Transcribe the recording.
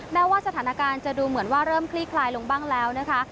แม้ว่าสถานการณ์จะดูเหมือนว่าเริ่มคลี่คลายลงบ้างแล้วนะคะ